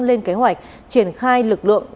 lên kế hoạch triển khai lực lượng